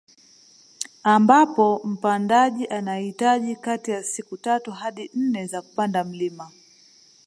Ambapo mpandaji anahitaji kati ya siku tatu hadi nne za kupanda mlima